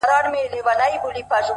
هر منزل د نویو مسئولیتونو پیل دی،